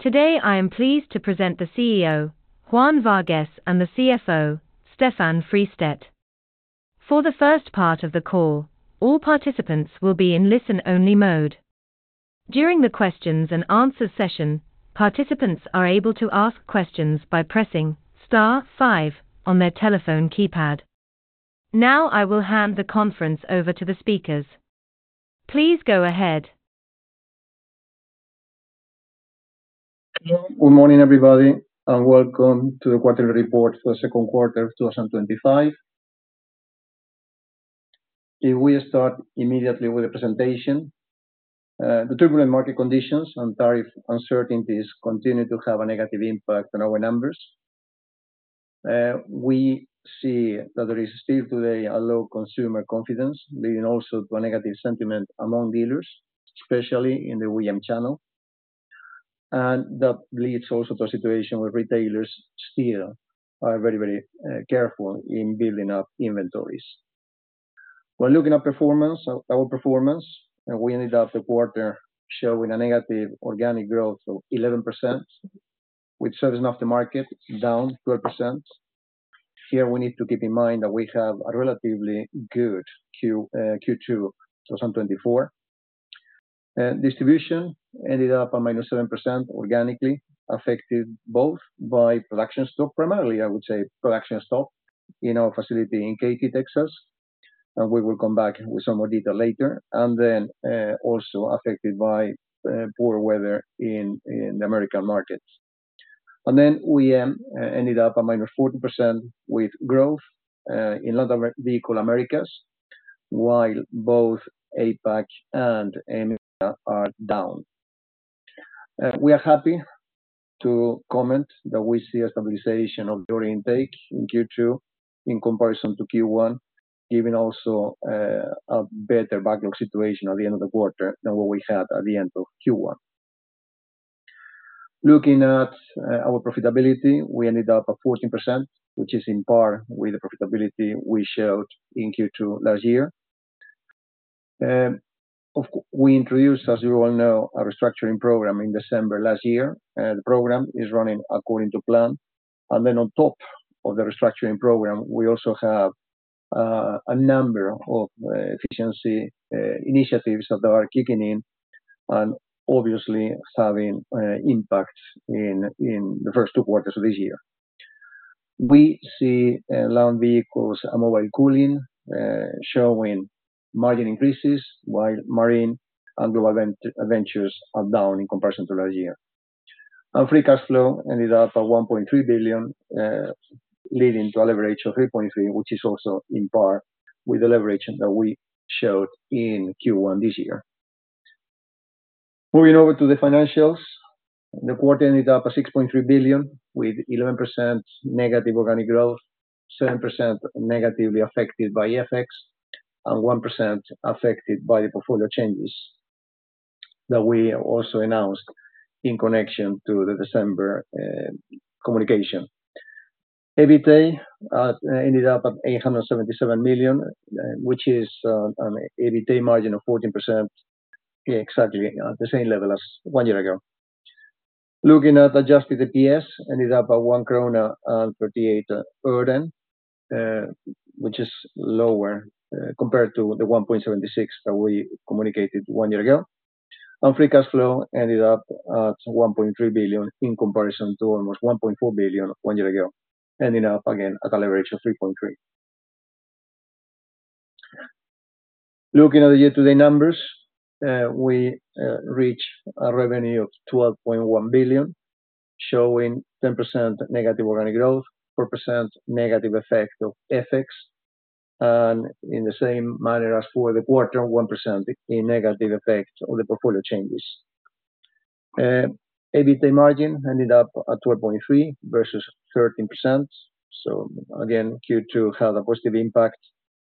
Today, I am pleased to present the CEO, Juan Vargues, and the CFO, Stefan Fristedt. For the first part of the call, all participants will be in listen-only mode. During the questions and answers session, participants are able to ask questions by pressing star five on their telephone keypad. Now, I will hand the conference over to the speakers. Please go ahead. Good morning, everybody, and welcome to the Quarterly Report for the Second Quarter of 2025. If we start immediately with the presentation, the turbulent market conditions and tariff uncertainties continue to have a negative impact on our numbers. We see that there is still today a low consumer confidence, leading also to a negative sentiment among dealers, especially in the OEM channel. That leads also to a situation where retailers still are very, very careful in building up inventories. When looking at our performance, we ended up the quarter showing a negative organic growth of 11%, with service and aftermarket down 12%. Here, we need to keep in mind that we have a relatively good Q2 2024. Distribution ended up at -7% organically, affected both by production stock, primarily I would say production stock in our facility in Katy, Texas. We will come back with some more data later. Also affected by poor weather in the American markets. We ended up at -40% with growth in the Latin American vehicle markets, while both APAC and EMEA are down. We are happy to comment that we see a stabilization of order intake in Q2 in comparison to Q1, giving also a better backlog situation at the end of the quarter than what we had at the end of Q1. Looking at our profitability, we ended up at 14%, which is in par with the profitability we showed in Q2 last year. We introduced, as you all know, a restructuring program in December last year. The program is running according to plan. On top of the restructuring program, we also have a number of efficiency initiatives that are kicking in and obviously having impacts in the first two quarters of this year. We see Land Vehicles and Mobile Cooling showing margin increases, while Marine and Global Ventures are down in comparison to last year. Free cash flow ended up at 1.3 billion, leading to a leverage of 3.3, which is also in par with the leverage that we showed in Q1 this year. Moving over to the financials, the quarter ended up at 6.3 billion, with 11% negative organic growth, 7% negatively affected by FX, and 1% affected by the portfolio changes that we also announced in connection to the December communication. EBITDA ended up at 877 million, which is an EBITDA margin of 14%, exactly at the same level as one year ago. Looking at adjusted EPS, ended up at 1.38 krona, which is lower compared to the 1.76 that we communicated one year ago. Free cash flow ended up at 1.3 billion in comparison to almost 1.4 billion one year ago, ending up again at a leverage of 3.3. Looking at the year-to-date numbers, we reached a revenue of 12.1 billion, showing 10% negative organic growth, 4% negative effect of FX, and in the same manner as for the quarter, 1% in negative effect of the portfolio changes. EBITDA margin ended up at 12.3% versus 13%. Q2 had a positive impact,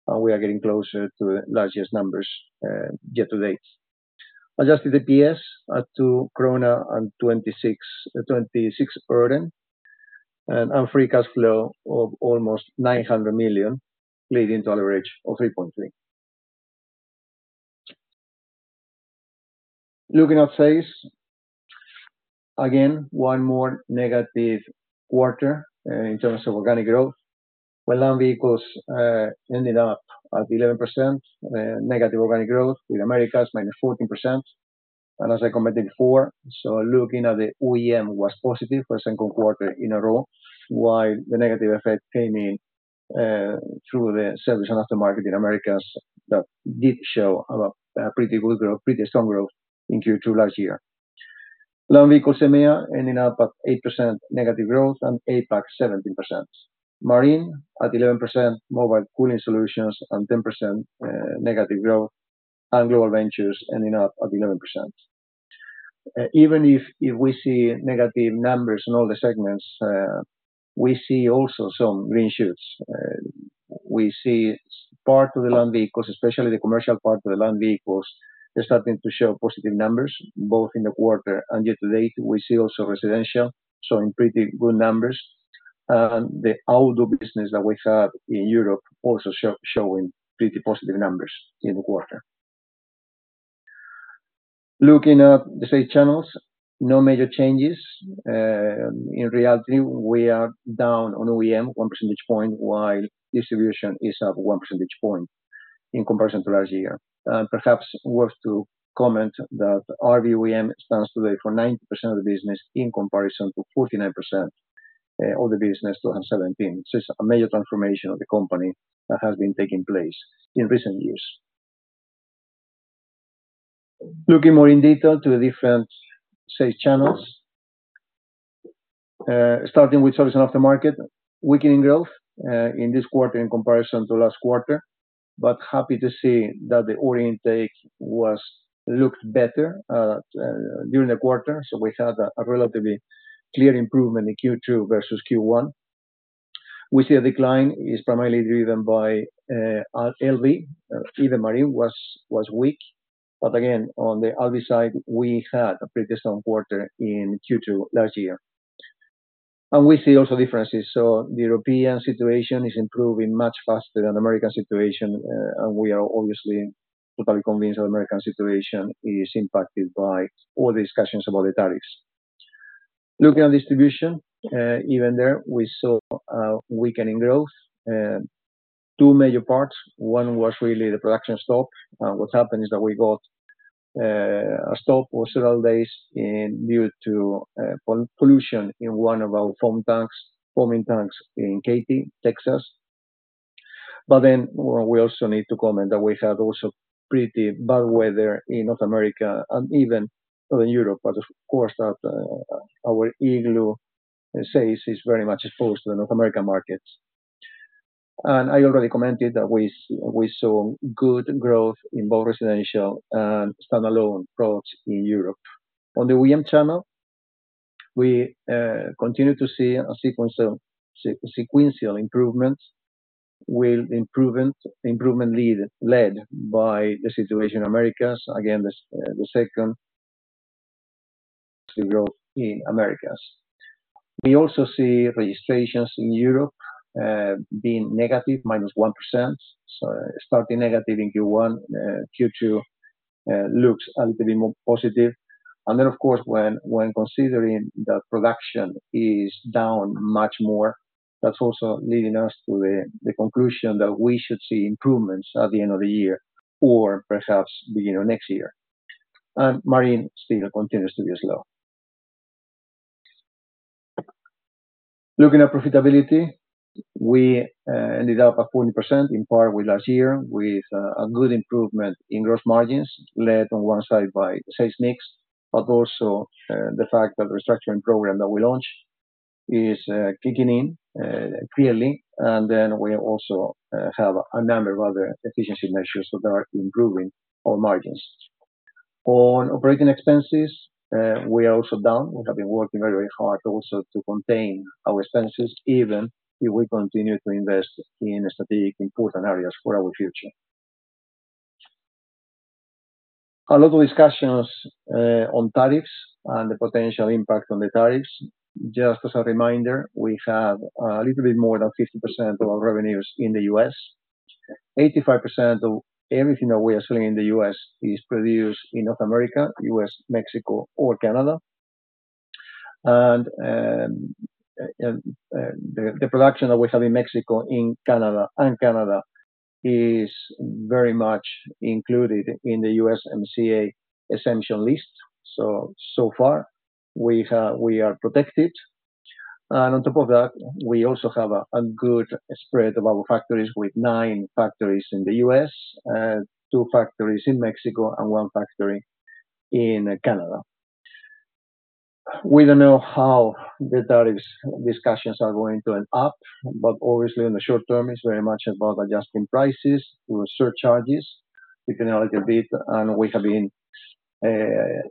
and we are getting closer to the largest numbers yet to date. Adjusted EPS at EUR 2.26, and free cash flow of almost 900 million, leading to a leverage of 3.3. Looking at sales, one more negative quarter in terms of organic growth. Land Vehicles ended up at 11% negative organic growth, with Americas -14%. As I commented before, looking at the OEM was positive for the second quarter in a row, while the negative effect came in through the service and aftermarket in Americas that did show pretty good growth, pretty strong growth in Q2 last year. Land Vehicles EMEA ending up at 8% negative growth, and APAC 17%. Marine at 11%, Cooling at 10% negative growth, and Global Ventures ending up at 11%. Even if we see negative numbers in all the segments, we see also some green shoots. We see part of the Land Vehicles, especially the commercial part of the Land Vehicles, they're starting to show positive numbers both in the quarter and year to date. We see also residential showing pretty good numbers, and the auto business that we have in Europe also showing pretty positive numbers in the quarter. Looking at the sales channels, no major changes. In reality, we are down on OEM 1% point, while distribution is up 1% point in comparison to last year. Perhaps worth to comment that RV OEM stands today for 90% of the business in comparison to 49% of the business in 2017. It's a major transformation of the company that has been taking place in recent years. Looking more in detail to the different sales channels, starting with service and aftermarket, weakening growth in this quarter in comparison to last quarter, but happy to see that the order intake looked better during the quarter. We had a relatively clear improvement in Q2 versus Q1. We see a decline is primarily driven by LV. Even Marine was weak. On the LV side, we had a pretty strong quarter in Q2 last year. We see also differences. The European situation is improving much faster than the American situation, and we are obviously totally convinced that the American situation is impacted by all the discussions about the tariffs. Looking at distribution, even there, we saw a weakening growth. Two major parts. One was really the production stop. What happened is that we got a stop for several days due to pollution in one of our foaming tanks in Katy, Texas. We also need to comment that we had pretty bad weather in North America and even Northern Europe. Of course, our Igloo sales are very much exposed to the North American markets. I already commented that we saw good growth in both residential and standalone products in Europe. On the OEM channel, we continue to see a sequential improvement with the improvement led by the situation in Americas. Again, the second growth in Americas. We also see registrations in Europe being negative, -1%. Starting negative in Q1, Q2 looks a little bit more positive. When considering that production is down much more, that's also leading us to the conclusion that we should see improvements at the end of the year or perhaps the beginning of next year. Marine still continues to be slow. Looking at profitability, we ended up at 40% in par with last year, with a good improvement in gross margins led on one side by the sales mix, but also the fact that the restructuring program that we launched is kicking in clearly. We also have a number of other efficiency measures that are improving our margins. On operating expenses, we are also down. We have been working very, very hard to contain our expenses, even if we continue to invest in strategic important areas for our future. A lot of discussions on tariffs and the potential impact on the tariffs. Just as a reminder, we have a little bit more than 50% of our revenues in the U.S. 85% of everything that we are selling in the U.S. is produced in North America, U.S., Mexico, or Canada. The production that we have in Mexico and Canada is very much included in the USMCA exemption list. So far, we are protected. On top of that, we also have a good spread of our factories, with nine factories in the U.S., two factories in Mexico, and one factory in Canada. We don't know how the tariffs discussions are going to end up, but obviously, in the short term, it's very much about adjusting prices to surcharges, keeping it a little bit. We have been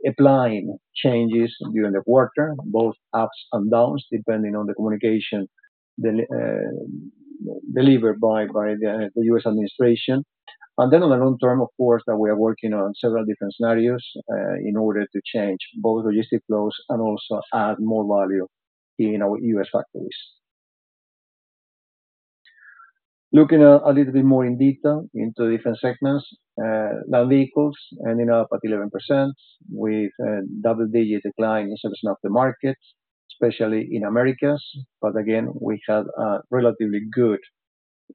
applying changes during the quarter, both ups and downs, depending on the communication delivered by the U.S. administration. In the long term, of course, we are working on several different scenarios in order to change both logistic flows and also add more value in our U.S. factories. Looking a little bit more in detail into the different segments, Land Vehicles ending up at 11% with a double-digit decline in service and aftermarket, especially in Americas. We had a relatively good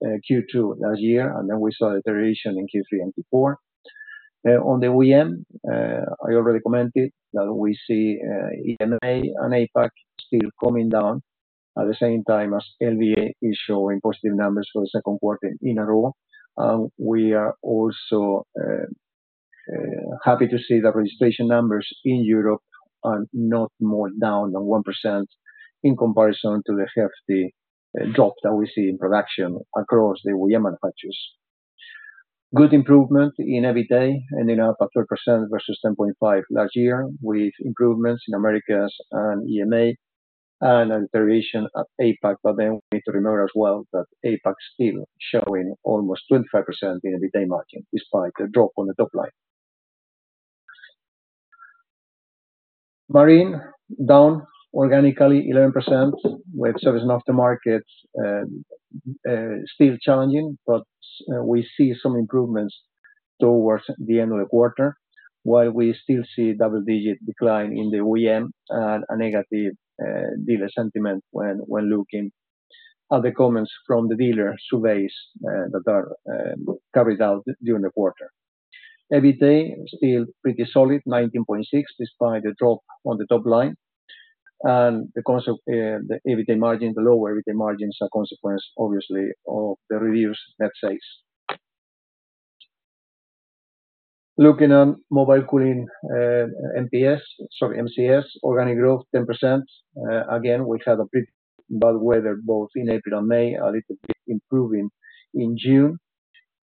Q2 last year, and then we saw a deterioration in Q3 and Q4. On the OEM, I already commented that we see EMEA and APAC still coming down at the same time as LVA is showing positive numbers for the second quarter in a row. We are also happy to see that registration numbers in Europe are not more down than 1% in comparison to the hefty drop that we see in production across the OEM manufacturers. Good improvement in EBITDA ending up at 12% versus 10.5% last year, with improvements in Americas and EMEA and a deterioration at APAC. We need to remember as well that APAC is still showing almost 25% in EBITDA margin despite the drop on the top line. Marine down organically 11% with service and aftermarket still challenging, but we see some improvements towards the end of the quarter, while we still see a double-digit decline in the OEM and a negative dealer sentiment when looking at the comments from the dealer surveys that are carried out during the quarter. EBITDA still pretty solid, 19.6% despite the drop on the top line. The lower EBITDA margins are a consequence, obviously, of the reduced net sales. Looking at Mobile Cooling MPS, sorry, MCS, organic growth 10%. We had a pretty bad weather both in April and May, a little bit improving in June,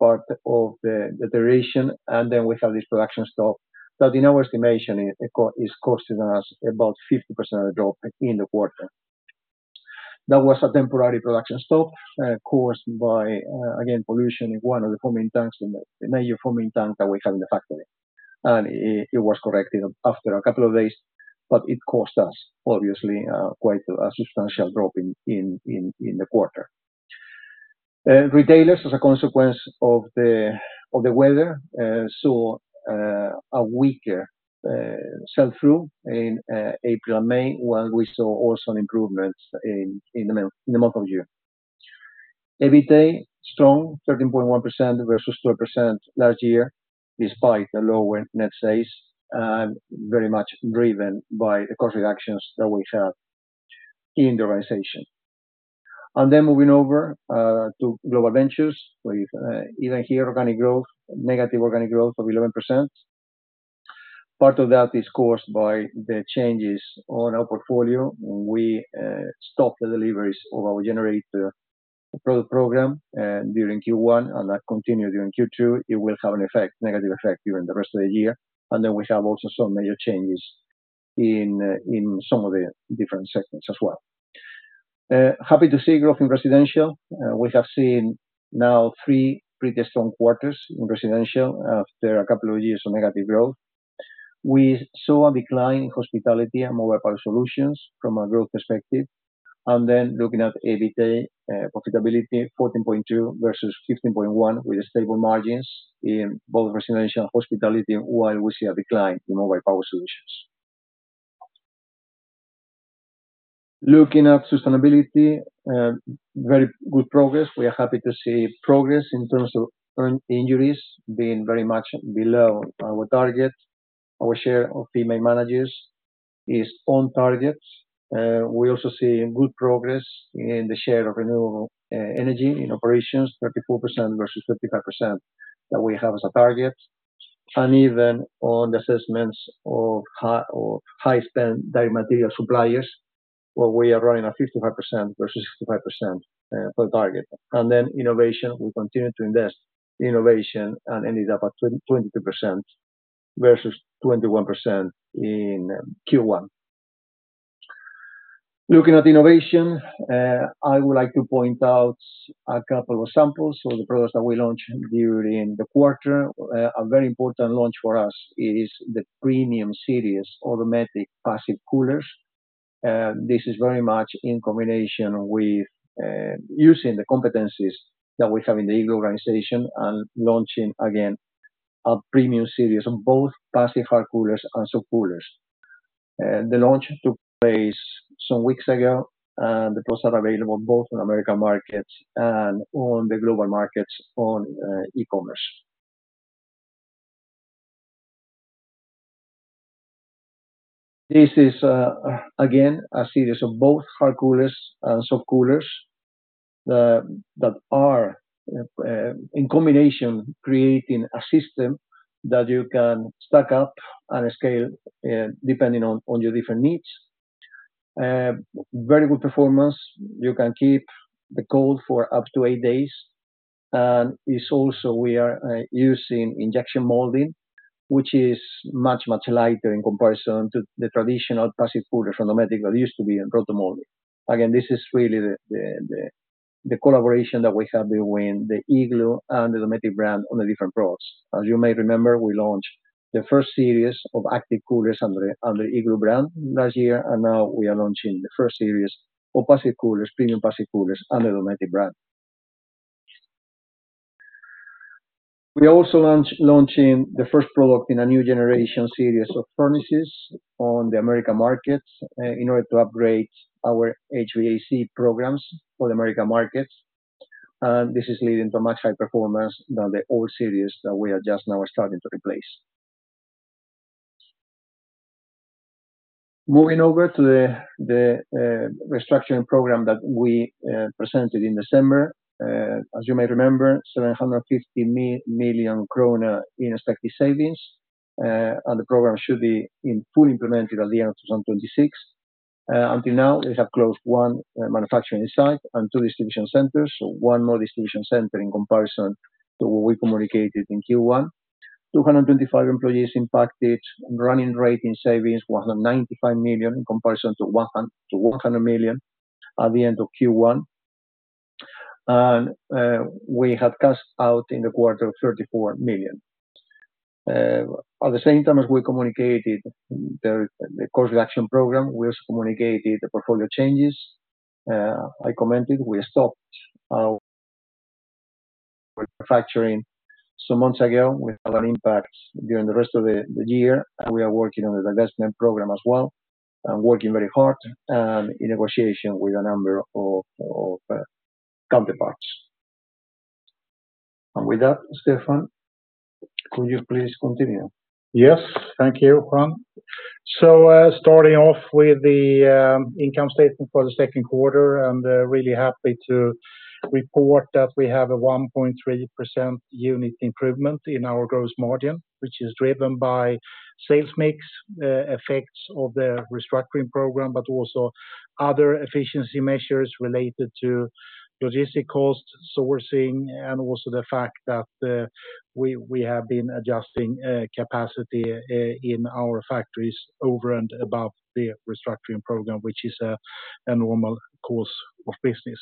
part of the deterioration. We have this production stop that, in our estimation, is costing us about 50% of the drop in the quarter. That was a temporary production stop caused by, again, pollution in one of the foaming tanks, the major foaming tank that we have in the factory. It was corrected after a couple of days, but it cost us, obviously, quite a substantial drop in the quarter. Retailers, as a consequence of the weather, saw a weaker sell-through in April and May, while we saw also an improvement in the month of June. EBITDA strong, 13.1% versus 12% last year, despite the lower net sales, and very much driven by the cost reductions that we have in the organization. Then moving over to Global Ventures, even here, organic growth, negative organic growth of 11%. Part of that is caused by the changes on our portfolio. When we stopped the deliveries of our generator product program during Q1, and that continued during Q2, it will have a negative effect during the rest of the year. We have also some major changes in some of the different segments as well. Happy to see growth in residential. We have seen now three pretty strong quarters in residential after a couple of years of negative growth. We saw a decline in hospitality and mobile power solutions from a growth perspective. Looking at EBITDA profitability, 14.2% versus 15.1%, with stable margins in both residential and hospitality, while we see a decline in mobile power solutions. Looking at sustainability, very good progress. We are happy to see progress in terms of earned injuries being very much below our target. Our share of female managers is on target. We also see good progress in the share of renewable energy in operations, 34% versus 35% that we have as a target. Even on the assessments of high-spend direct material suppliers, where we are running at 55% versus 65% per target. In innovation, we continue to invest in innovation and ended up at 22% versus 21% in Q1. Looking at innovation, I would like to point out a couple of samples of the products that we launched during the quarter. A very important launch for us is the premium series automatic passive coolers. This is very much in combination with using the competencies that we have in the Igloo organization and launching, again, a premium series of both passive hard coolers and soft coolers. The launch took place some weeks ago, and the products are available both in American markets and on the global markets on e-commerce. This is, again, a series of both hard coolers and soft coolers that are, in combination, creating a system that you can stack up and scale depending on your different needs. Very good performance. You can keep the cold for up to eight days. It is also that we are using injection molding, which is much, much lighter in comparison to the traditional passive coolers from Dometic that used to be in rotomolding. This is really the collaboration that we have between the Igloo and the Dometic brand on the different products. As you may remember, we launched the first series of active coolers under the Igloo brand last year, and now we are launching the first series of premium passive coolers under the Dometic brand. We are also launching the first product in a new generation series of furnaces on the American markets in order to upgrade our HVAC programs for the American markets. This is leading to max high performance that the old series that we are just now starting to replace. Moving over to the restructuring program that we presented in December, as you may remember, 750 million kronor in expected savings, and the program should be fully implemented at the end of 2026. Until now, we have closed one manufacturing site and two distribution centers, so one more distribution center in comparison to what we communicated in Q1. 225 employees impacted, running rate in savings 195 million in comparison to 100 million at the end of Q1. We had cash out in the quarter of 34 million. At the same time as we communicated the cost reduction program, we also communicated the portfolio changes. I commented we stopped our manufacturing some months ago. We had an impact during the rest of the year. We are working on the divestment program as well and working very hard in negotiation with a number of counterparts. With that, Stefan, could you please continue? Yes. Thank you, Juan. Starting off with the income statement for the second quarter, I'm really happy to report that we have a 1.3% unit improvement in our gross margin, which is driven by sales mix effects of the restructuring program, but also other efficiency measures related to logistic cost, sourcing, and also the fact that we have been adjusting capacity in our factories over and above the restructuring program, which is a normal course of business.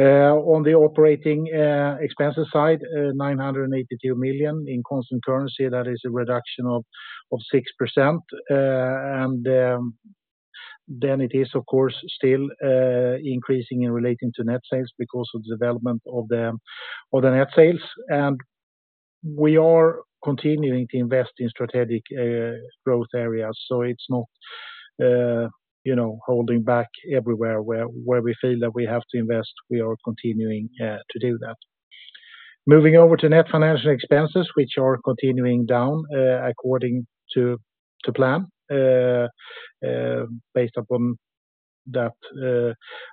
On the operating expenses side, 982 million in constant currency, that is a reduction of 6%. It is, of course, still increasing in relation to net sales because of the development of the net sales. We are continuing to invest in strategic growth areas. It's not, you know, holding back everywhere where we feel that we have to invest. We are continuing to do that. Moving over to net financial expenses, which are continuing down according to plan, based upon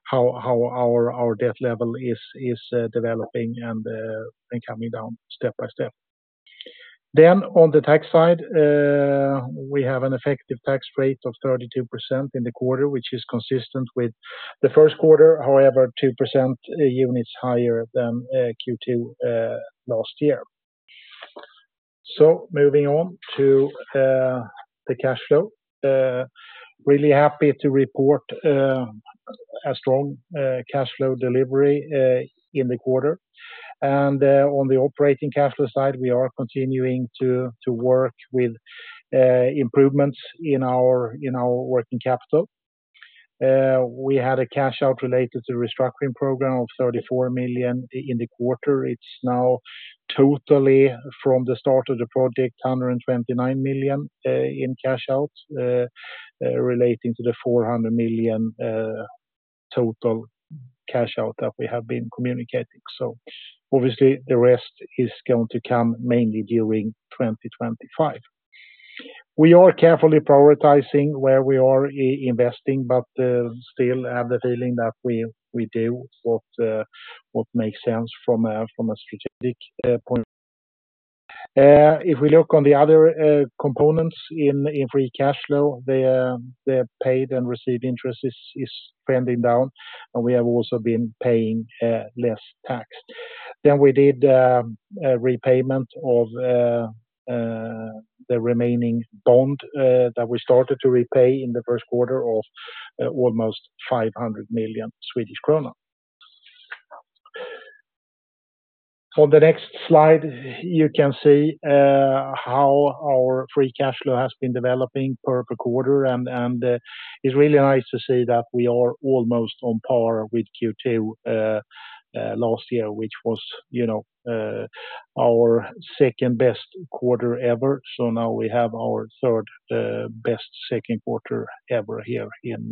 how our debt level is developing and coming down step by step. On the tax side, we have an effective tax rate of 32% in the quarter, which is consistent with the first quarter. However, 2% units higher than Q2 last year. Moving on to the cash flow, really happy to report a strong cash flow delivery in the quarter. On the operating cash flow side, we are continuing to work with improvements in our working capital. We had a cash out related to the restructuring program of 34 million in the quarter. It's now totally, from the start of the project, 129 million in cash out, relating to the 400 million total cash out that we have been communicating. Obviously, the rest is going to come mainly during 2025. We are carefully prioritizing where we are investing, but still have the feeling that we do what makes sense from a strategic point. If we look on the other components in free cash flow, the paid and received interest is trending down, and we have also been paying less tax. We did a repayment of the remaining bond that we started to repay in the first quarter of almost 500 million Swedish kronor. On the next slide, you can see how our free cash flow has been developing per quarter. It's really nice to see that we are almost on par with Q2 last year, which was, you know, our second-best quarter ever. Now we have our third-best second quarter ever here in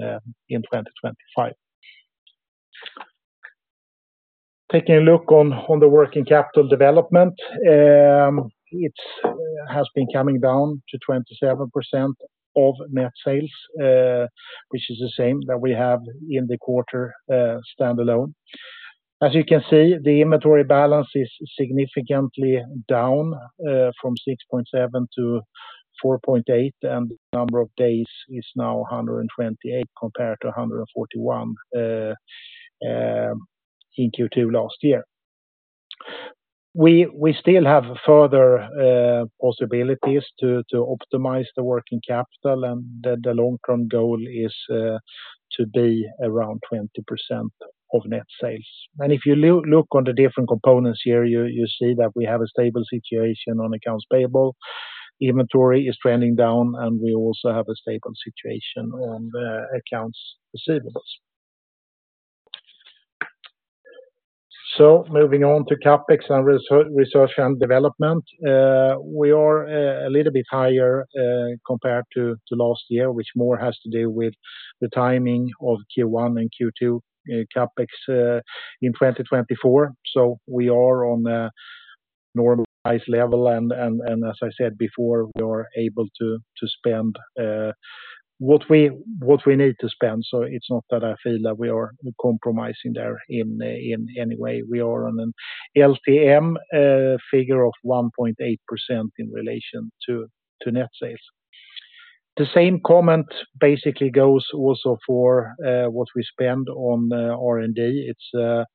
2025. Taking a look on the working capital development, it has been coming down to 27% of net sales, which is the same that we have in the quarter standalone. As you can see, the inventory balance is significantly down from 6.7% - 4.8%, and the number of days is now 128 compared to 141 in Q2 last year. We still have further possibilities to optimize the working capital, and the long-term goal is to be around 20% of net sales. If you look on the different components here, you see that we have a stable situation on accounts payable. Inventory is trending down, and we also have a stable situation on accounts receivables. Moving on to CapEx and research and development, we are a little bit higher compared to last year, which more has to do with the timing of Q1 and Q2 CapEx in 2024. We are on a normalized level, and as I said before, we are able to spend what we need to spend. It's not that I feel that we are compromising there in any way. We are on an LTM figure of 1.8% in relation to net sales. The same comment basically goes also for what we spend on R&D. It's a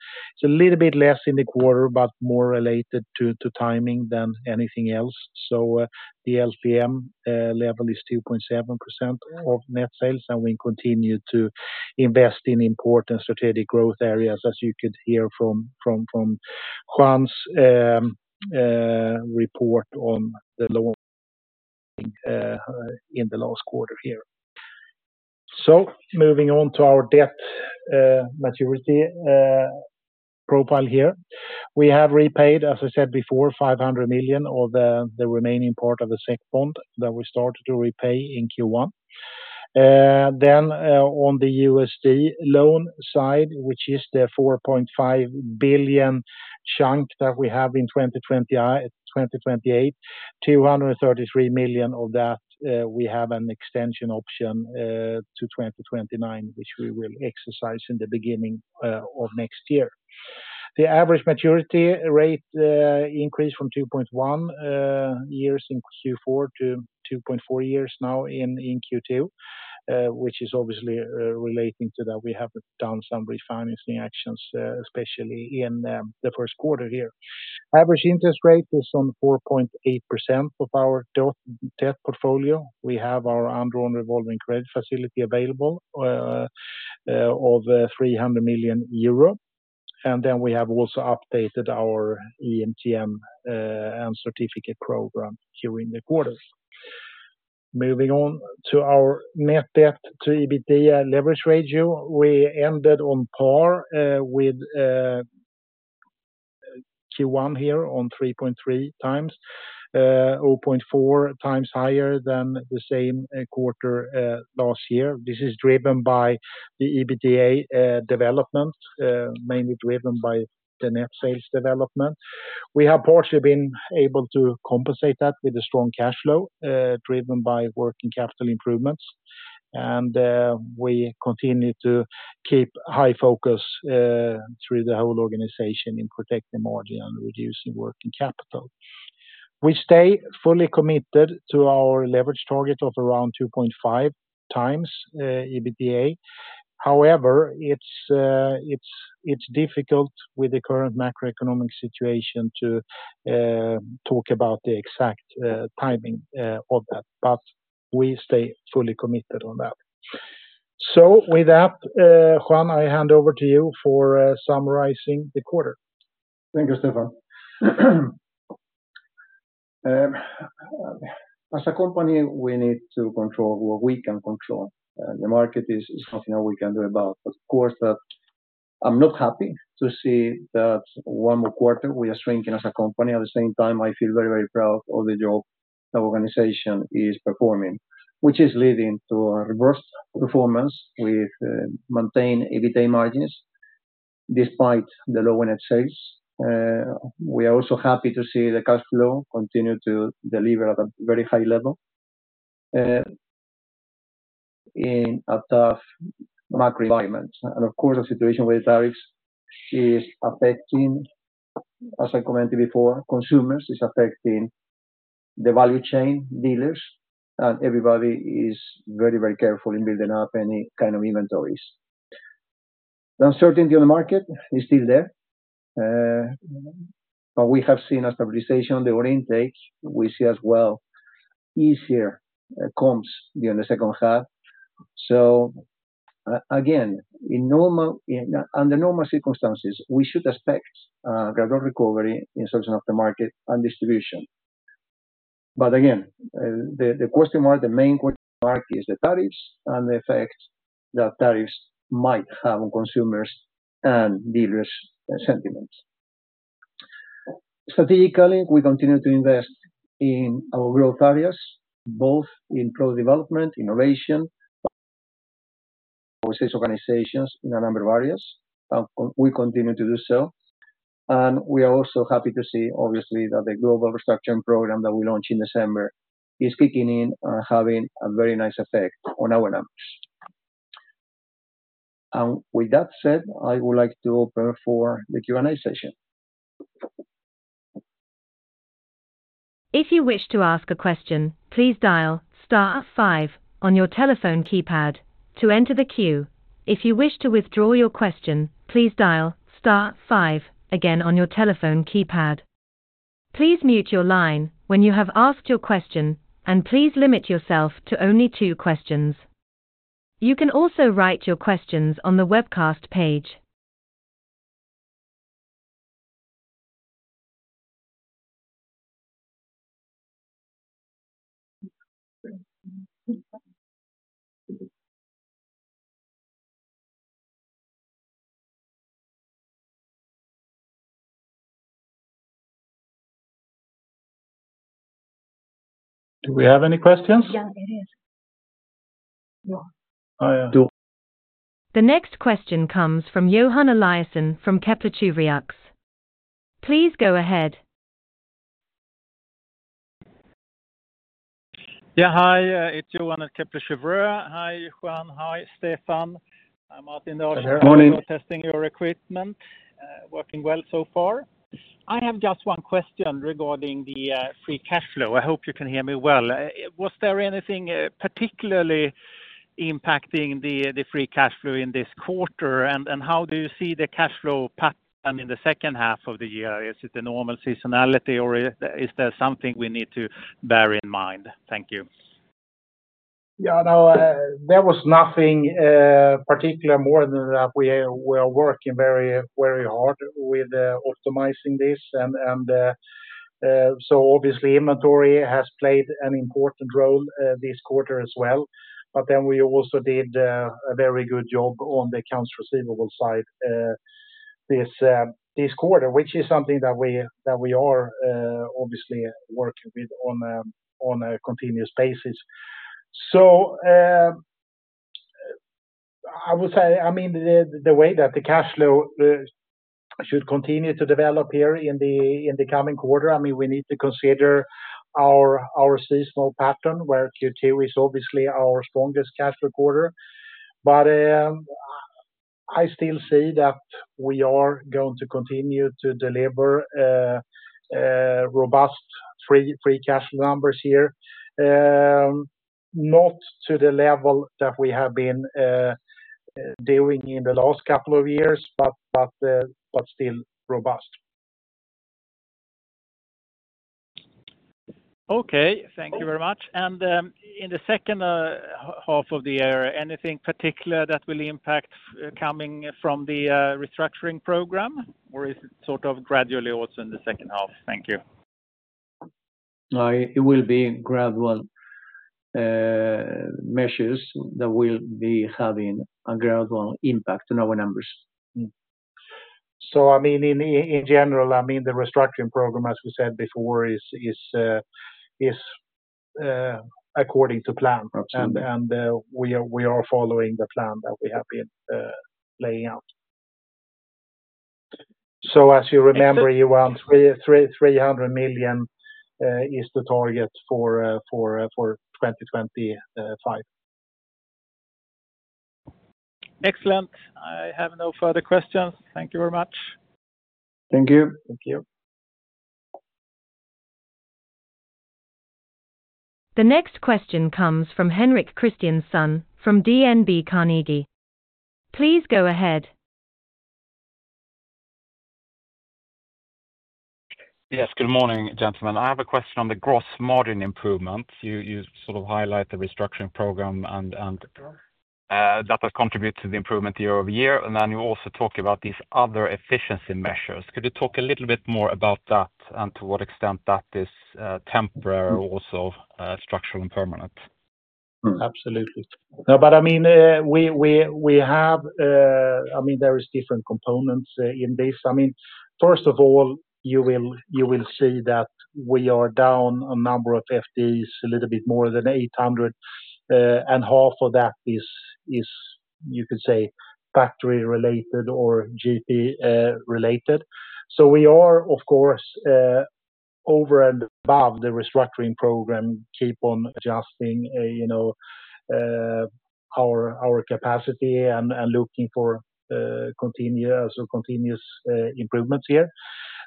little bit less in the quarter, but more related to timing than anything else. The LTM level is 2.7% of net sales, and we continue to invest in important strategic growth areas, as you could hear from Juan's report on the loan in the last quarter here. Moving on to our debt maturity profile here, we have repaid, as I said before, $500 million of the remaining part of the SEK bond that we started to repay in Q1. On the USD loan side, which is the $4.5 billion chunk that we have in 2028, $233 million of that we have an extension option to 2029, which we will exercise in the beginning of next year. The average maturity rate increased from 2.1 years in Q4 to 2.4 years now in Q2, which is obviously relating to that we have done some refinancing actions, especially in the first quarter here. Average interest rate is on 4.8% of our debt portfolio. We have our underwriting revolving credit facility available of 300 million euro. We have also updated our EMTN and certificate program during the quarter. Moving on to our net debt to EBITDA leverage ratio, we ended on par with Q1 here on 3.3x, 0.4x higher than the same quarter last year. This is driven by the EBITDA development, mainly driven by the net sales development. We have partially been able to compensate that with a strong cash flow driven by working capital improvements. We continue to keep high focus through the whole organization in protecting margin and reducing working capital. We stay fully committed to our leverage target of around 2.5x EBITDA. However, it's difficult with the current macroeconomic situation to talk about the exact timing of that. We stay fully committed on that. With that, Juan, I hand over to you for summarizing the quarter. Thank you, Stefan. As a company, we need to control what we can control. The market is nothing that we can do about. Of course, I'm not happy to see that one more quarter we are shrinking as a company. At the same time, I feel very, very proud of the job that the organization is performing, which is leading to a reversed performance with maintained EBITDA margins despite the lower net sales. We are also happy to see the cash flow continue to deliver at a very high level in a tough macro environment. Of course, the situation with the tariffs is affecting, as I commented before, consumers. It's affecting the value chain dealers, and everybody is very, very careful in building up any kind of inventories. The uncertainty on the market is still there, but we have seen a stabilization of the order intake. We see as well easier comps during the second half. In normal circumstances, we should expect a gradual recovery in the section of the market and distribution. The question mark, the main question mark, is the tariffs and the effect that tariffs might have on consumers and dealers' sentiments. Strategically, we continue to invest in our growth areas, both in product development, innovation, and organizations in a number of areas. We continue to do so. We are also happy to see, obviously, that the global restructuring program that we launched in December is kicking in and having a very nice effect on our numbers. With that said, I would like to open for the Q&A session. If you wish to ask a question, please dial star five on your telephone keypad to enter the queue. If you wish to withdraw your question, please dial star five again on your telephone keypad. Please mute your line when you have asked your question, and please limit yourself to only two questions. You can also write your questions on the webcast page. Do we have any questions? Yeah, there is. The next question comes from Johan Eliasson from Kepler Cheuvreux. Please go ahead. Yeah. Hi. It's Johan at Kepler Cheuvreux. Hi, Juan. Hi, Stefan. I'm Martin Dodger. Morning. Testing your equipment. Working well so far. I have just one question regarding the free cash flow. I hope you can hear me well. Was there anything particularly impacting the free cash flow in this quarter? How do you see the cash flow pattern in the second half of the year? Is it the normal seasonality, or is there something we need to bear in mind? Thank you. Yeah, no, there was nothing particular more than that. We are working very, very hard with optimizing this. Obviously, inventory has played an important role this quarter as well. We also did a very good job on the accounts receivable side this quarter, which is something that we are obviously working with on a continuous basis. I would say, I mean, the way that the cash flow should continue to develop here in the coming quarter, we need to consider our seasonal pattern where Q2 is obviously our strongest cash flow quarter. I still see that we are going to continue to deliver robust free cash flow numbers here, not to the level that we have been doing in the last couple of years, but still robust. Thank you very much. In the second half of the year, anything particular that will impact coming from the restructuring program, or is it sort of gradually also in the second half? Thank you. It will be gradual measures that will be having a gradual impact on our numbers. In general, the restructuring program, as we said before, is according to plan. Absolutely. We are following the plan that we have been laying out. As you remember, you want $300 million is the target for 2025. Excellent. I have no further questions. Thank you very much. Thank you. Thank you. The next question comes from Henrik Kristiansson from DNB Carnegie. Please go ahead. Yes. Good morning, gentlemen. I have a question on the gross margin improvements. You sort of highlight the restructuring program and that has contributed to the improvement year over year. You also talk about these other efficiency measures. Could you talk a little bit more about that and to what extent that is temporary or also structural and permanent? Absolutely. I mean, we have, I mean, there are different components in this. First of all, you will see that we are down a number of FDs, a little bit more than 800. Half of that is, you could say, factory-related or GP-related. We are, of course, over and above the restructuring program, keep on adjusting our capacity and looking for continuous improvements here.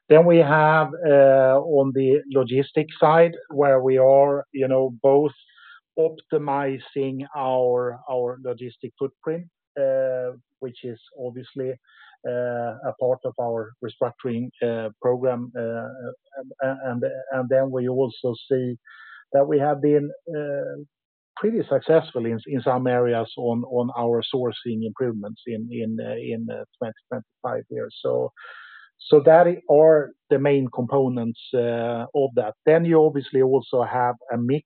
We have on the logistics side where we are both optimizing our logistic footprint, which is obviously a part of our restructuring program. We also see that we have been pretty successful in some areas on our sourcing improvements in the next five years. Those are the main components of that. You obviously also have a mix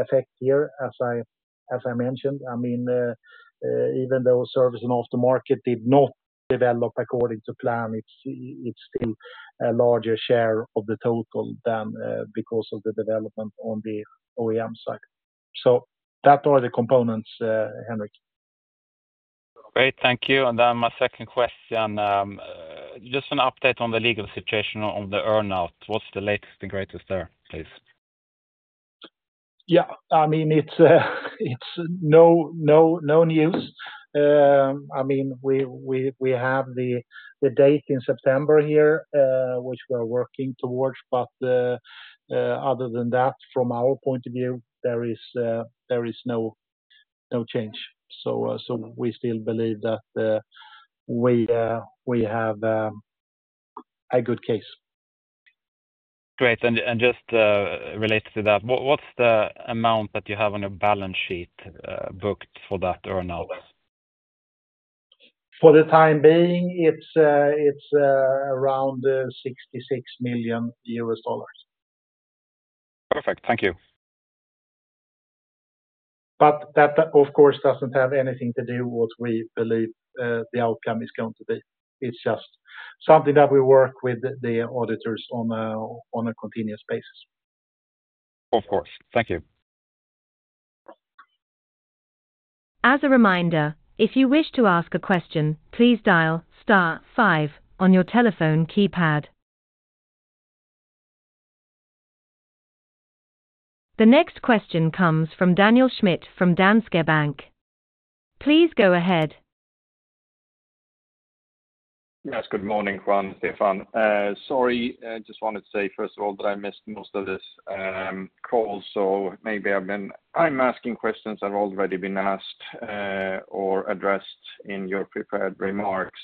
effect here, as I mentioned. Even though service and aftermarket did not develop according to plan, it's still a larger share of the total than because of the development on the OEM side. Those are the components, Henrik. Thank you. My second question, just an update on the legal situation on the earnout. What's the latest and greatest there, please? Yeah, it's no news. We have the date in September here, which we are working towards. Other than that, from our point of view, there is no change. We still believe that we have a good case. Great. Just related to that, what's the amount that you have on your balance sheet booked for that earnout? For the time being, it's around $66 million U.S. dollars. Perfect. Thank you. Of course, that doesn't have anything to do with what we believe the outcome is going to be. It's just something that we work with the auditors on a continuous basis. Of course. Thank you. As a reminder, if you wish to ask a question, please dial star five on your telephone keypad. The next question comes from Daniel Schmidt from Danske Bank. Please go ahead. Yes. Good morning, Juan, Stefan. Sorry, I just wanted to say, first of all, that I missed most of this call. Maybe I'm asking questions that have already been asked or addressed in your prepared remarks.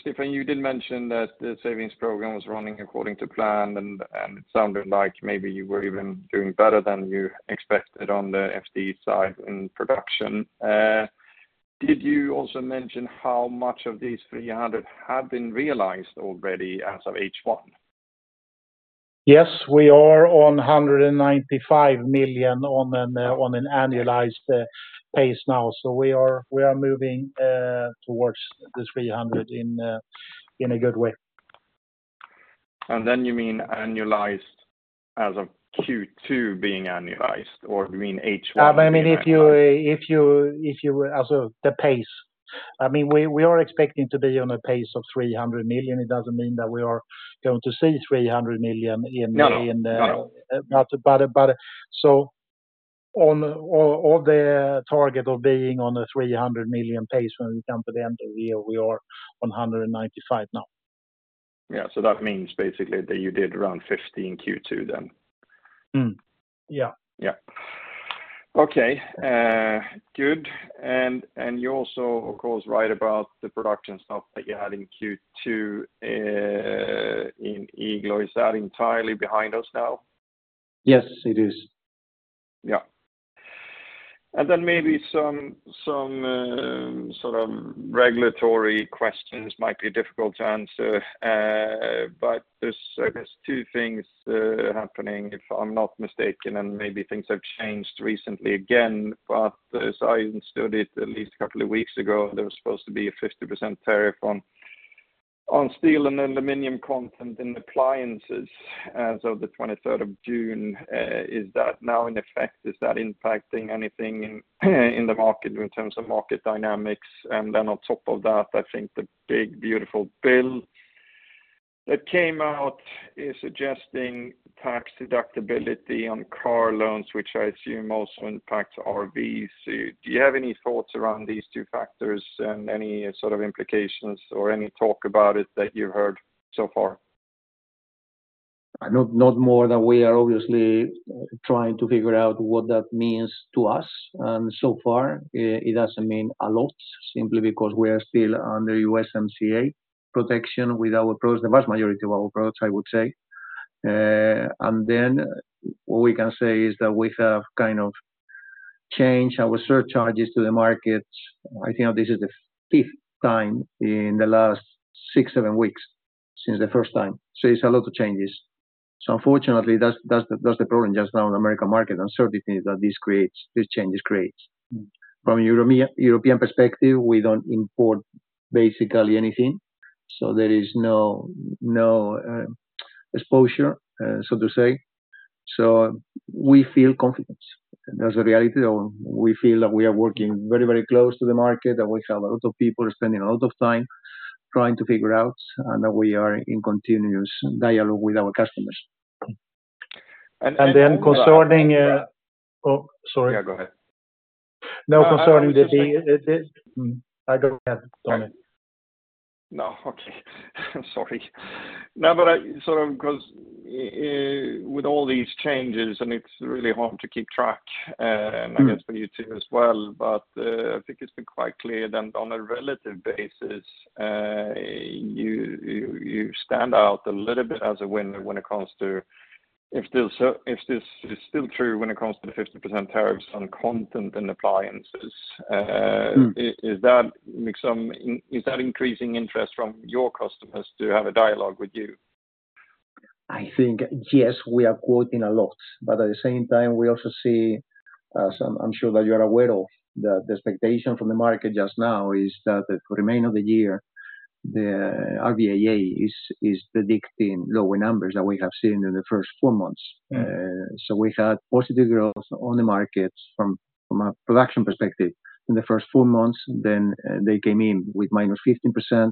Stefan, you did mention that the savings program was running according to plan, and it sounded like maybe you were even doing better than you expected on the FD side in production. Did you also mention how much of these 300 had been realized already as of H1? Yes, we are on $195 million on an annualized pace now. We are moving towards the $300 million in a good way. Do you mean annualized as of Q2 being annualized, or do you mean H1 being annualized? If you as the pace, we are expecting to be on a pace of $300 million. It doesn't mean that we are going to see $300 million in. No, no. On the target of being on a $300 million pace when we come to the end of the year, we are on $195 million now. That means basically that you did around 50 in Q2 then. Yeah. Yeah. Okay. Good. You also, of course, write about the production stuff that you had in Q2 in Igloo. Is that entirely behind us now? Yes, it is. Yeah. Maybe some sort of regulatory questions might be difficult to answer. There are two things happening, if I'm not mistaken, and maybe things have changed recently again. As I understood it, at least a couple of weeks ago, there was supposed to be a 50% tariff on steel and aluminum content in appliances as of June 23. Is that now in effect? Is that impacting anything in the market in terms of market dynamics? On top of that, I think the big beautiful bill that came out is suggesting tax deductibility on car loans, which I assume also impacts RVs. Do you have any thoughts around these two factors and any sort of implications or any talk about it that you've heard so far? Not more than we are obviously trying to figure out what that means to us. So far, it doesn't mean a lot, simply because we are still under USMCA protection with our products, the vast majority of our products, I would say. What we can say is that we have kind of changed our surcharges to the market. I think this is the fifth time in the last 6, 7 weeks since the first time. It's a lot of changes. Unfortunately, that's the problem just now in the American market, uncertainty that these changes create. From a European perspective, we don't import basically anything. There is no exposure, so to say. We feel confident. That's the reality. We feel that we are working very, very close to the market, that we have a lot of people spending a lot of time trying to figure out, and that we are in continuous dialogue with our customers. Then concerning. Sorry, go ahead. No, okay. Sorry. No, I sort of, because with all these changes, it's really hard to keep track, and I guess for you too as well, I think it's been quite clear that on a relative basis, you stand out a little bit as a winner when it comes to, if this is still true, when it comes to 50% tariffs on content and appliances. Is that increasing interest from your customers to have a dialogue with you? I think, yes, we are quoting a lot. At the same time, we also see, as I'm sure that you are aware of, that the expectation from the market just now is that the remainder of the year, the RVIA is predicting lower numbers than we have seen in the first four months. We had positive growth on the market from a production perspective in the first four months. They came in with minus 15%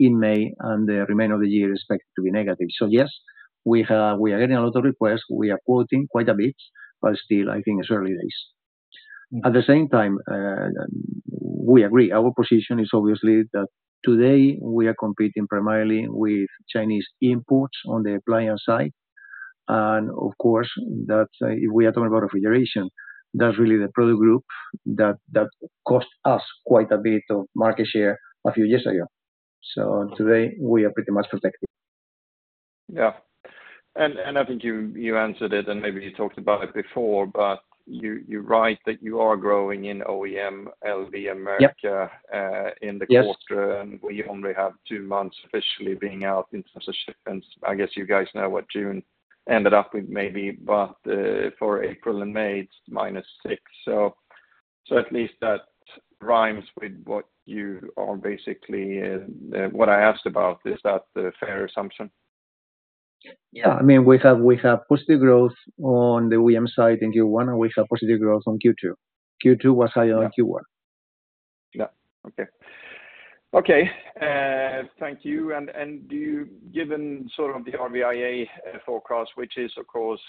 in May, and the remainder of the year is expected to be negative. Yes, we are getting a lot of requests. We are quoting quite a bit, but still, I think it's early days. At the same time, we agree, our position is obviously that today we are competing primarily with Chinese imports on the appliance side. Of course, if we are talking about refrigeration, that's really the product group that cost us quite a bit of market share a few years ago. Today, we are pretty much protected. I think you answered it, and maybe you talked about it before, but you write that you are growing in OEM LV America in the quarter, and we only have two months officially being out in terms of shipments. I guess you guys know what June ended up with maybe, but for April and May, it's -6%. At least that rhymes with what you are basically, what I asked about. Is that a fair assumption? Yeah. I mean, we have positive growth on the OEM side in Q1, and we have positive growth on Q2. Q2 was higher than Q1. Okay. Thank you. Given the RVIA forecast, which is, of course,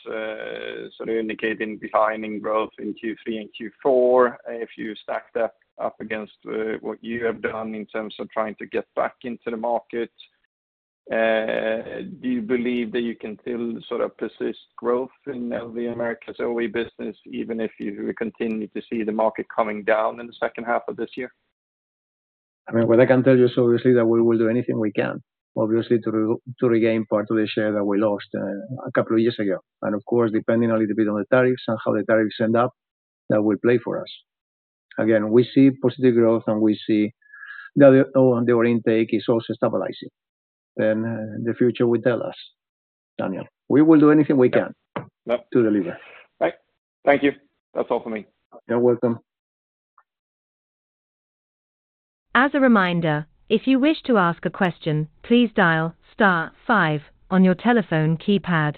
indicating declining growth in Q3 and Q4, if you stack that up against what you have done in terms of trying to get back into the market, do you believe that you can still persist growth in LV America's OE business, even if you continue to see the market coming down in the second half of this year? What I can tell you is obviously that we will do anything we can, obviously, to regain part of the share that we lost a couple of years ago. Of course, depending a little bit on the tariffs and how the tariffs end up, that will play for us. We see positive growth, and we see that the order intake is also stabilizing. The future will tell us, Daniel. We will do anything we can to deliver. Great. Thank you. That's all for me. You're welcome. As a reminder, if you wish to ask a question, please dial star five on your telephone keypad.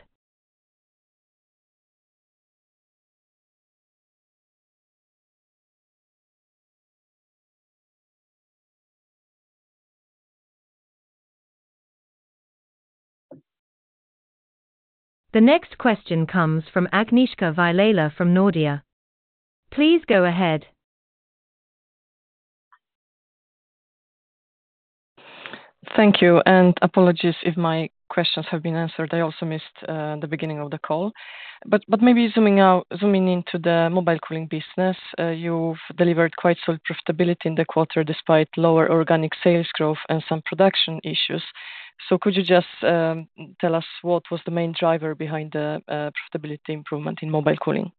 The next question comes from Agnieszka Vilela from Nordea. Please go ahead. Thank you. Apologies if my questions have been answered. I also missed the beginning of the call. Maybe zooming into the Mobile Cooling business, you've delivered quite solid profitability in the quarter despite lower organic sales growth and some production issues. Could you just tell us what was the main driver behind the profitability improvement in Mobile Cooling?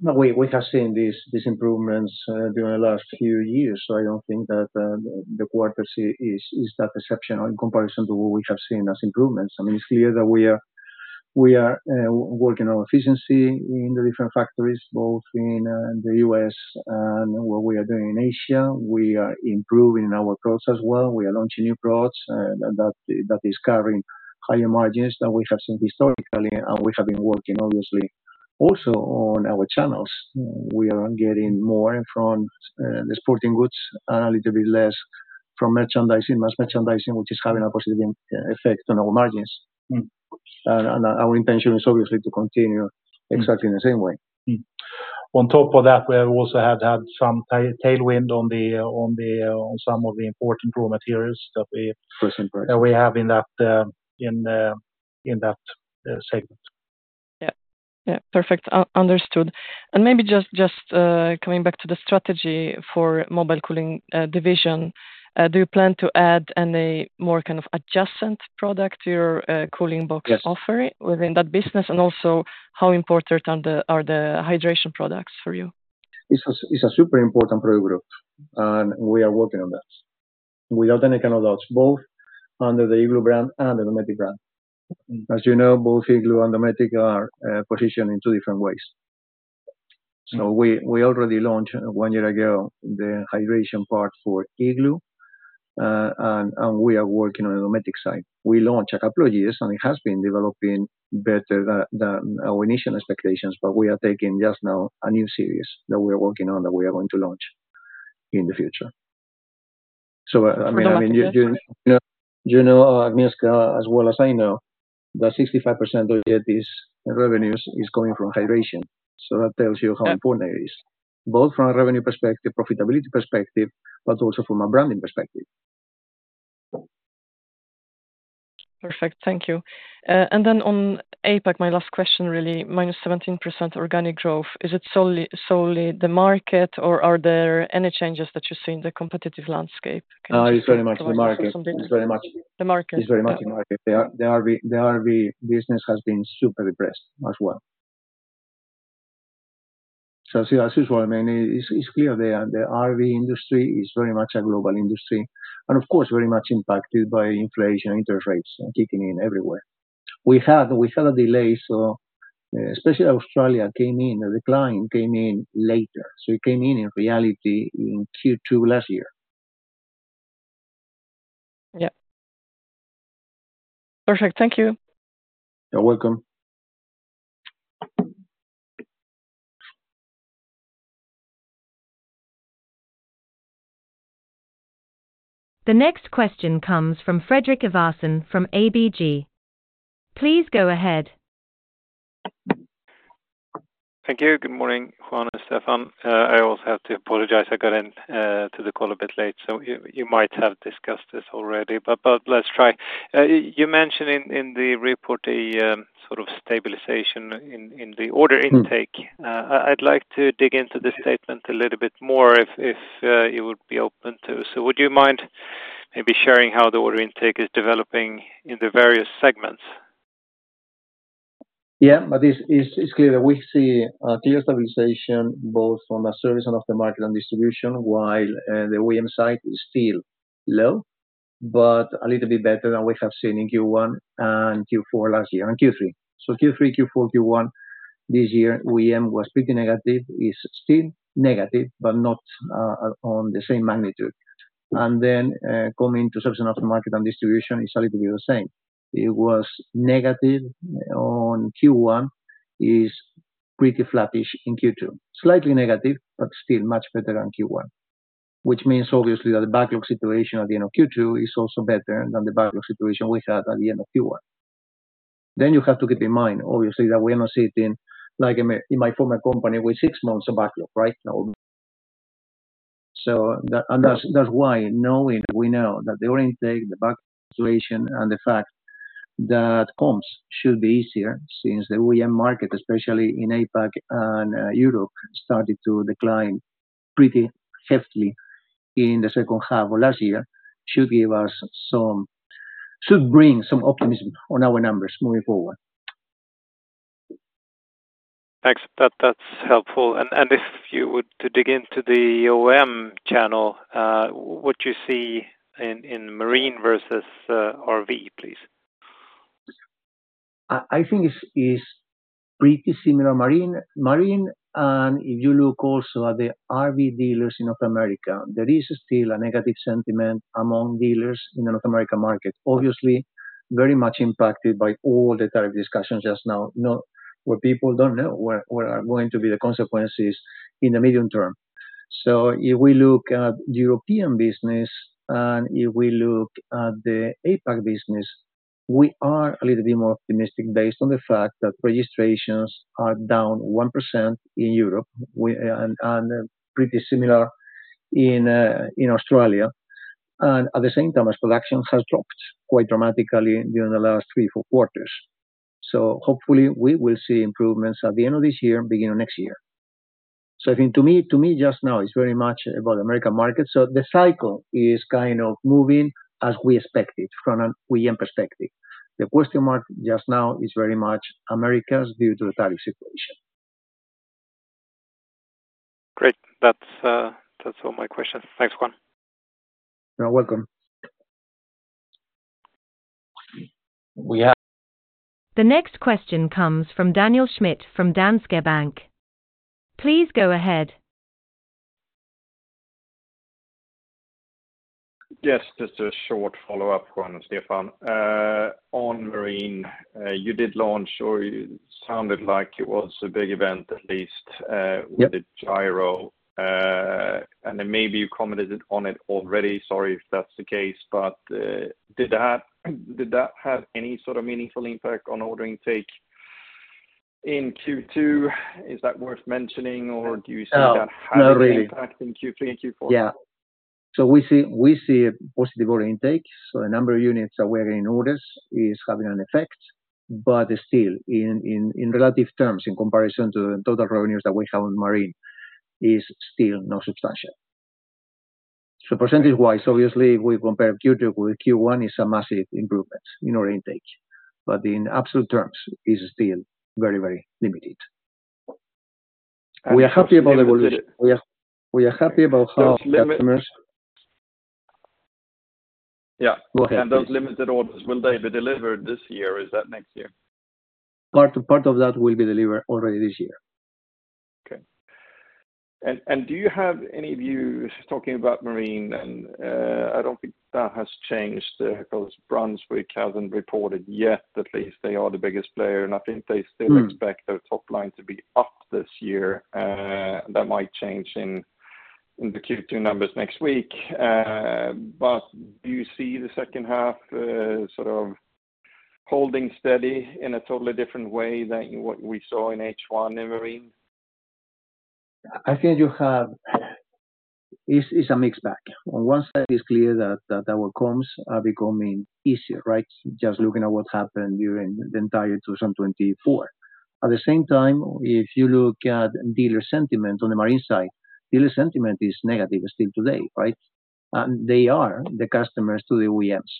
We have seen these improvements during the last few years. I don't think that the quarter is that exceptional in comparison to what we have seen as improvements. It's clear that we are working on our efficiency in the different factories, both in the U.S. and what we are doing in Asia. We are improving in our products as well. We are launching new products that are carrying higher margins than we have seen historically. We have been working, obviously, also on our channels. We are getting more in front of the sporting goods and a little bit less from mass merchandising, which is having a positive effect on our margins. Our intention is obviously to continue exactly in the same way. On top of that, we also have had some tailwind on some of the important raw materials that we have in that segment. Yeah. Perfect. Understood. Maybe just coming back to the strategy for Mobile Cooling division, do you plan to add any more kind of adjacent product to your cooling box offering within that business? Also, how important are the hydration products for you? It's a super important product group, and we are working on that without any kind of doubts, both under the Igloo brand and the Dometic brand. As you know, both Igloo and Dometic are positioned in two different ways. We already launched one year ago the hydration part for Igloo, and we are working on the Dometic side. We launched a couple of years ago, and it has been developing better than our initial expectations. We are taking just now a new series that we are working on that we are going to launch in the future. I mean, you know, Agnieszka, as well as I know, that 65% of the Igloo's revenues is coming from hydration. That tells you how important it is, both from a revenue perspective, profitability perspective, but also from a branding perspective. Perfect. Thank you. On APAC, my last question, really, -17% organic growth. Is it solely the market, or are there any changes that you see in the competitive landscape? It's very much the market. It's the market. It's very much the market. The RV business has been super depressed as well. It's clear the RV industry is very much a global industry and, of course, very much impacted by inflation and interest rates kicking in everywhere. We had a delay, especially Australia came in. The decline came in later. It came in, in reality, in Q2 last year. Yeah, perfect. Thank you. You're welcome. The next question comes from Fredrik Ivarsson from ABG. Please go ahead. Thank you. Good morning, Juan and Stefan. I also have to apologize. I got into the call a bit late. You might have discussed this already, but let's try. You mentioned in the report a sort of stabilization in the order intake. I'd like to dig into this statement a little bit more if you would be open to. Would you mind maybe sharing how the order intake is developing in the various segments? Yeah. It is clear that we see clear stabilization both from a service and aftermarket and distribution, while the OEM side is still low, but a little bit better than we have seen in Q1 and Q4 last year and Q3. Q3, Q4, Q1 this year, OEM was pretty negative. It is still negative, but not on the same magnitude. Coming to service and aftermarket and distribution, it is a little bit the same. It was negative in Q1. It is pretty flattish in Q2, slightly negative, but still much better than Q1, which means obviously that the backlog situation at the end of Q2 is also better than the backlog situation we had at the end of Q1. You have to keep in mind, obviously, that we are not sitting like in my former company with six months of backlog, right? That is why, knowing we know that the order intake, the backlog situation, and the fact that comps should be easier since the OEM market, especially in APAC and Europe, started to decline pretty heftily in the second half of last year, should bring some optimism on our numbers moving forward. Thanks. That's helpful. If you were to dig into the OEM channel, what do you see in Marine versus RV, please? I think it's pretty similar Marine. If you look also at the RV dealers in North America, there is still a negative sentiment among dealers in the North American market, obviously very much impacted by all the tariff discussions just now, where people don't know what are going to be the consequences in the medium term. If we look at the European business and if we look at the APAC business, we are a little bit more optimistic based on the fact that registrations are down 1% in Europe and pretty similar in Australia. At the same time, as production has dropped quite dramatically during the last three, four quarters, hopefully, we will see improvements at the end of this year, beginning of next year. I think to me just now, it's very much about the American market. The cycle is kind of moving as we expect it from an OEM perspective. The question mark just now is very much America's view to the tariff situation. Great. That's all my questions. Thanks, Juan. You're welcome. The next question comes from Daniel Schmidt from Danske Bank. Please go ahead. Yes. Just a short follow-up, Juan and Stefan. On Marine, you did launch, or it sounded like it was a big event at least with the gyro. Maybe you commented on it already. Sorry if that's the case. Did that have any sort of meaningful impact on order intake in Q2? Is that worth mentioning, or do you see that having an impact in Q3 and Q4? We see a positive order intake. The number of units that we are getting orders is having an effect. In relative terms, in comparison to the total revenues that we have on Marine, it's still not substantial. Percentage-wise, obviously, we compare Q2 with Q1. It's a massive improvement in order intake. In absolute terms, it's still very, very limited. We are happy about the evolution. We are happy about how customers. Yeah. Go ahead. Will those limited orders be delivered this year or is that next year? Part of that will be delivered already this year. Okay. Do you have any views talking about Marine? I don't think that has changed because Brunswick hasn't reported yet. At least they are the biggest player, and I think they still expect their top line to be up this year. That might change in the Q2 numbers next week. Do you see the second half sort of holding steady in a totally different way than what we saw in H1 in Marine? I think you have it's a mixed bag. On one side, it's clear that our comps are becoming easier, right? Just looking at what happened during the entire 2024. At the same time, if you look at dealer sentiment on the Marine side, dealer sentiment is negative still today, right? They are the customers to the OEMs.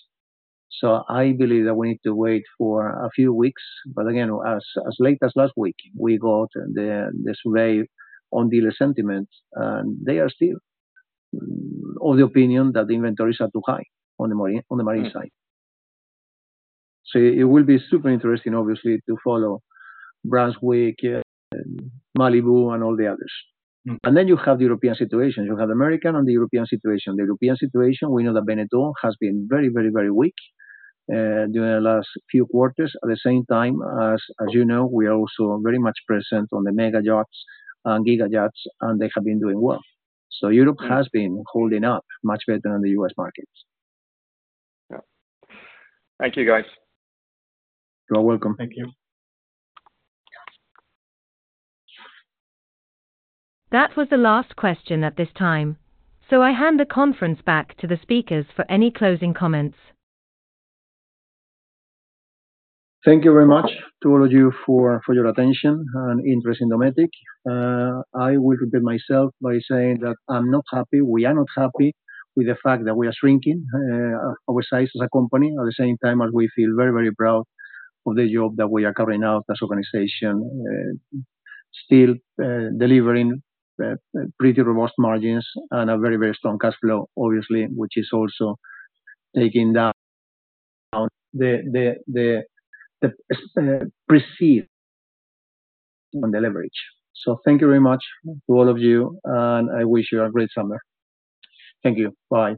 I believe that we need to wait for a few weeks. As late as last week, we got the survey on dealer sentiment, and they are still of the opinion that the inventories are too high on the Marine side. It will be super interesting, obviously, to follow Brunswick, Malibu, and all the others. You have the European situation. You have the American and the European situation. The European situation, we know that Bénéteau has been very, very, very weak during the last few quarters. At the same time, as you know, we are also very much present on the mega yachts and giga yachts, and they have been doing well. Europe has been holding up much better than the U.S. market. Thank you, guys. You're welcome. Thank you. That was the last question at this time. I hand the conference back to the speakers for any closing comments. Thank you very much to all of you for your attention and interest in Dometic. I will repeat myself by saying that I'm not happy. We are not happy with the fact that we are shrinking our size as a company, at the same time as we feel very, very proud of the job that we are carrying out as an organization, still delivering pretty robust margins and a very, very strong cash flow, obviously, which is also taking down the perceived on the leverage. Thank you very much to all of you, and I wish you a great summer. Thank you. Bye.